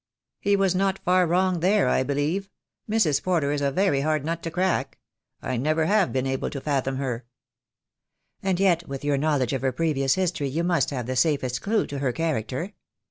"He was not far wrong there, I believe. Mrs. Porter is a very hard nut to crack. I have never been able to fathom her." "And yet with your knowledge of her previous history you must have the safest clue to her character."